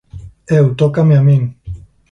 Eu, tócame a min.